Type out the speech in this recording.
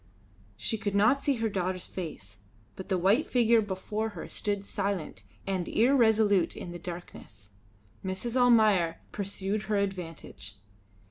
She could not see her daughter's face, but the white figure before her stood silent and irresolute in the darkness. Mrs. Almayer pursued her advantage.